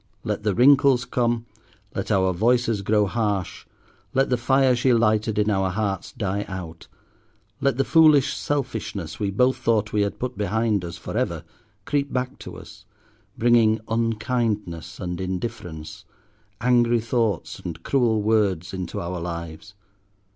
Let the wrinkles come; let our voices grow harsh; let the fire she lighted in our hearts die out; let the foolish selfishness we both thought we had put behind us for ever creep back to us, bringing unkindness and indifference, angry thoughts and cruel words into our lives.